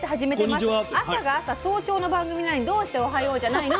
朝が朝早朝の番組なのにどうして『おはよう』じゃないの？」